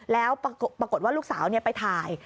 แล้วปรากฏว่าลูกสาวไปถ่าย